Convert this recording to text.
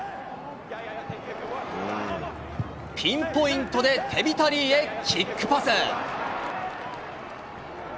ピンポイントで、テビタ・リーへキックパス。